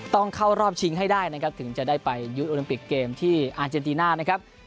ต้องเข้ารอบชิงให้ได้นะครับถึงจะได้ไปยุดโอลิมปิกเกมที่อาเจนติน่านะครับ